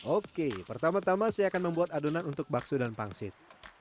oke pertama tama saya akan membuat adonan untuk bakso dan pangsit